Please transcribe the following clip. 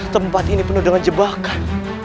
tempat ini penuh dengan jebakan